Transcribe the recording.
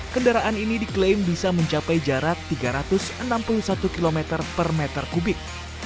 kendaraan ini diklaim bisa mencapai jarak tiga ratus enam puluh satu km per meter kubik